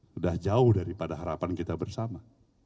sudah jauh daripada harapan kita bersama